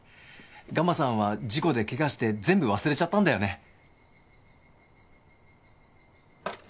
ガマさんは事故でケガして全部忘れちゃったんだよね？